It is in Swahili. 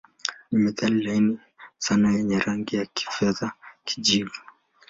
Ni metali laini sana yenye rangi ya kifedha-kijivu.